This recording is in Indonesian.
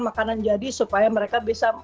makanan jadi supaya mereka bisa